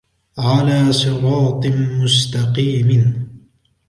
على صراط مستقيم